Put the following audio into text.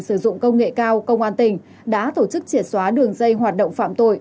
sử dụng công nghệ cao công an tỉnh đã tổ chức triệt xóa đường dây hoạt động phạm tội